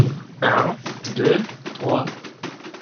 Un, deux, trois.